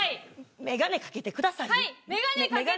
眼鏡掛けてください。